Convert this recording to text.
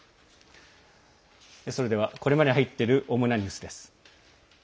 それではこれまでに入っている主なニュースです。